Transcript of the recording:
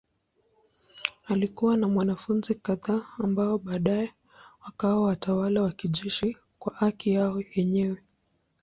Alikuwa na wanafunzi kadhaa ambao baadaye wakawa watawala wa kijeshi kwa haki yao wenyewe.